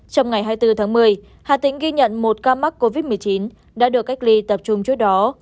trong ngày hai mươi bốn tháng một mươi hà tĩnh ghi nhận một ca mắc covid một mươi chín đã được cách ly tập trung trước đó